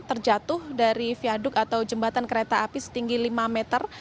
terjatuh dari viaduk atau jembatan kereta api setinggi lima meter